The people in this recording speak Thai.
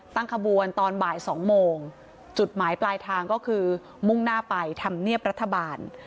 ตั้งขบวนตอนบ่าย๒โมงจุดหมายปลายทางก็คือมุ่งหน้าไปธรรมเนียบรัฐบาล